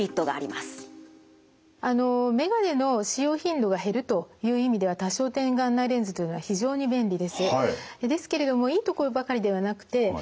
あの眼鏡の使用頻度が減るという意味では多焦点眼内レンズというのは非常に便利です。